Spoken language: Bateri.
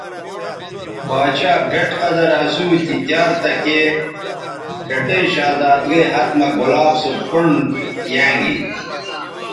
باڇھا بھئٹ قدر اسو تی تیار تکے پھٹیئں شہزادگئ ھت مہ گلاب سو پھنڈ یانگی